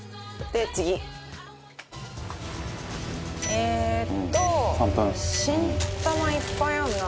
えーっと新玉いっぱいあるな。